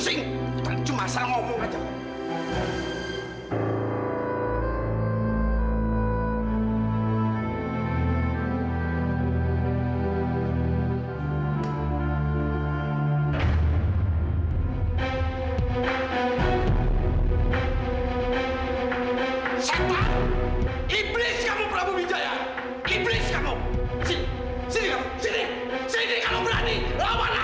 kenapa mas wisnu bilang saya gak boleh mikirin amira